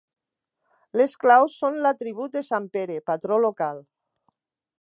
Les claus són l'atribut de sant Pere, patró local.